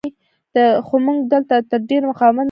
خو موږ دلته تر ډېره مقاومت نه شو کولی.